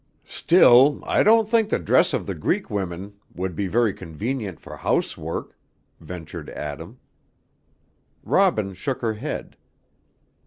"Still, I don't think the dress of the Greek women would be very convenient for housework," ventured Adam. Robin shook her head.